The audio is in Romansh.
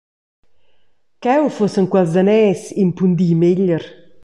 Cheu fussen quels daners impundi meglier.